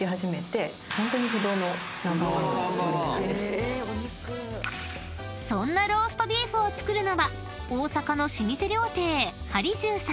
え⁉［そんなローストビーフを作るのは大阪の老舗料亭］